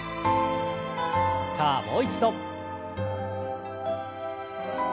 さあもう一度。